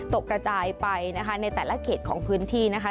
กระจายไปนะคะในแต่ละเขตของพื้นที่นะคะ